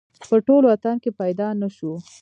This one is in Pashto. په ټول وطن کې پیدا نه شو